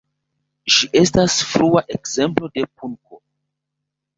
Ĝi estas frua ekzemplo de punko.